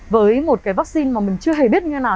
với một cái vaccine mà mình chưa hề biết như thế nào